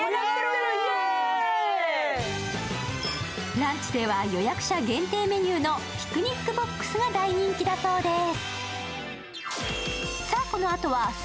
ランチでは予約者限定メニューのピクニックボックスが大人気だそうです。